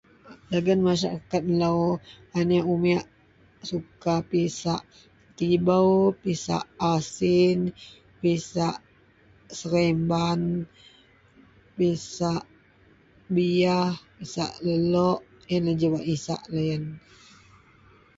Dagen masarakat melou, aneak umiek suka pisak tibou, pisak asin, pisak seremban, pisak biyah, pisak lelok. Yenlah ji wak isak loyen.